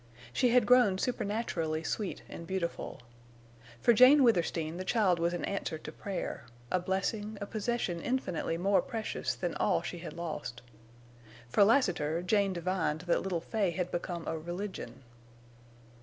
She had grown supernaturally sweet and beautiful. For Jane Withersteen the child was an answer to prayer, a blessing, a possession infinitely more precious than all she had lost. For Lassiter, Jane divined that little Fay had become a religion.